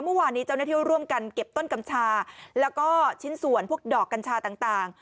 เมื่อวานนี้เจ้าหน้าที่ร่วมกันเก็บต้นกัญชาแล้วก็ชิ้นส่วนพวกดอกกัญชาต่าง